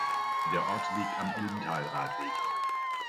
Der Ort liegt am Ilmtal-Radweg.